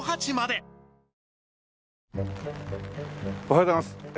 おはようございます。